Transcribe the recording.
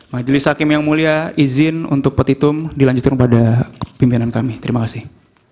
majelis hakim yang mulia izin untuk petitum dilanjutkan pada pimpinan kami terima kasih